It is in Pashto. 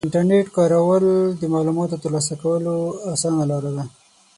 د انټرنیټ کارول د معلوماتو د ترلاسه کولو اسانه لاره ده.